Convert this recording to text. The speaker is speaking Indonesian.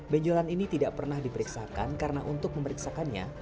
benjolan ini tidak pernah diperiksakan karena untuk memeriksakannya